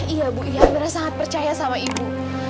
iya bu iya amira sangat percaya sama ibu